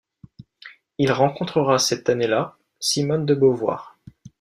Il rencontrera cette année-là, Simone de Beauvoir.